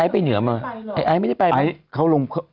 ไปเหนือไอใหม่มาแล้วไม่ไปเพราะเข้าลง